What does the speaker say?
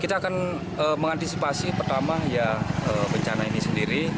kita akan mengantisipasi pertama ya bencana ini sendiri